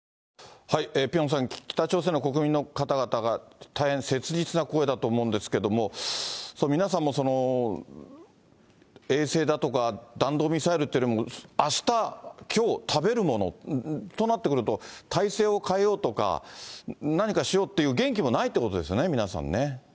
ピョンさん、北朝鮮の国民の方々が、大変切実な声だと思うんですけれども、皆さんも、衛星だとか、弾道ミサイルというよりも、あしたきょう、食べるものとなってくると、体制をかえようとか、何かしようっていう元気もないということですね、皆さんね。